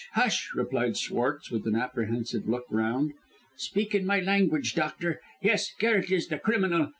hush!" replied Schwartz, with an apprehensive look round. "Speak in my language, doctor. Yes, Garret is the criminal.